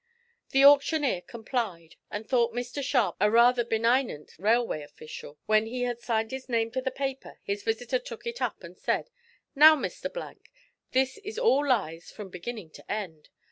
The auctioneer complied, and thought Mr Sharp a rather benignant railway official. When he had signed his name to the paper, his visitor took it up and said, "Now, Mr Blank, this is all lies from beginning to end.